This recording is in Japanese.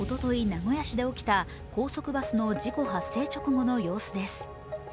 名古屋市で起きた高速バスの事故発生直後の様子です。